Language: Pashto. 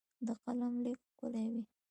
د قلم لیک ښکلی وي.